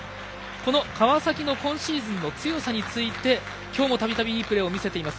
この川崎の今シーズンの強さについて、きょうもたびたびいいプレーを見せています